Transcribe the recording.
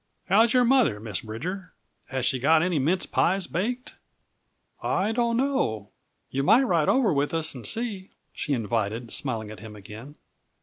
How's your mother, Miss Bridger? Has she got any mince pies baked?" "I don't know you might ride over with us and see," she invited, smiling at him again.